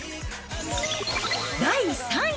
第３位。